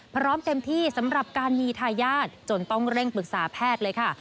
พร้อมเต็มที่สำหรับการมีทายาทจนต้องเร่งปรึกษาแพทย์เลยค่ะ